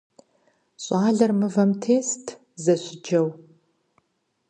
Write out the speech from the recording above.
Щӏалэр мывэм тест зэщыджэу.